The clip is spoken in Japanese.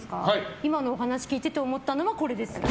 今のお話を聞いてて思ったのはこれです。